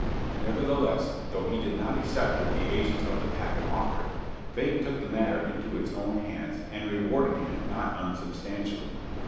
Nevertheless, though he did not accept what the agents of the packet offered, fate took the matter into its own hands and rewarded him not unsubstantially.